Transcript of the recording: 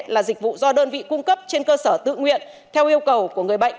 là dịch vụ do đơn vị cung cấp trên cơ sở tự nguyện theo yêu cầu của người bệnh